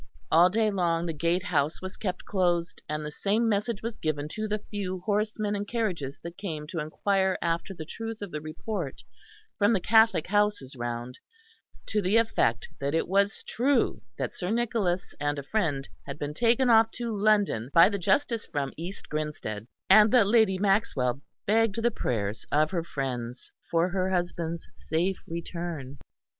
All day long the gate house was kept closed, and the same message was given to the few horsemen and carriages that came to inquire after the truth of the report from the Catholic houses round, to the effect that it was true that Sir Nicholas and a friend had been taken off to London by the Justice from East Grinsted; and that Lady Maxwell begged the prayers of her friends for her husband's safe return.